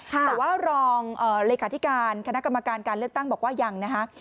แต่ว่ารองเลขาธิการคณะกรรมการการเลือกตั้งบอกว่ายังนะคะ